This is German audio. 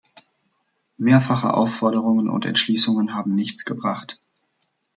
Mehrfache Aufforderungen und Entschließungen haben nichts gebracht.